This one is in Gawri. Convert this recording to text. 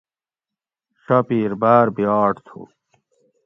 شاپیر باۤر بیاٹ تھو